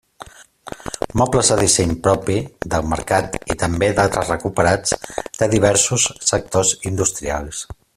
Mobles de disseny propi, del mercat i també d’altres recuperats de diversos sectors industrials.